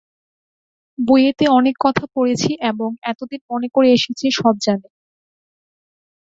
বইয়েতে অনেক কথা পড়েছি এবং এতদিন মনে করে এসেছি সব জানি।